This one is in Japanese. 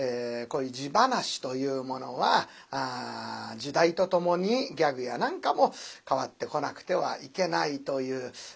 こういう地噺というものは時代とともにギャグや何かも変わってこなくてはいけないという。